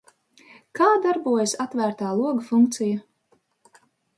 Kā darbojas Atvērtā loga funkcija?